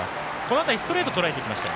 ストレートをとらえていきました。